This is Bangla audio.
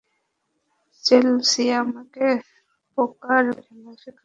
চেলসিয়া আমাকে পোকার খেলা শেখাচ্ছেন।